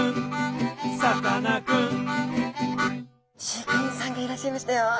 飼育員さんがいらっしゃいましたよ。